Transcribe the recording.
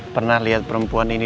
pernah liat perempuan ini